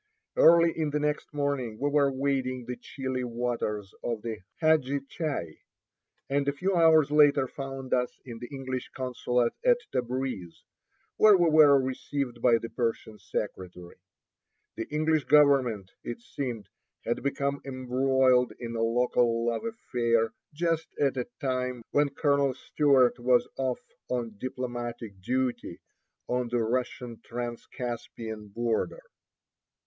Early the next morning we were wading the chilly waters of the Hadji Chai, and a few hours later found us in the English consulate at Tabreez, where we were received by the Persian secretary. The English government, it seemed, had become embroiled in a local love affair just at a time when Colonel Stewart was off on "diplomatic duty" on the Russian Transcaspian border.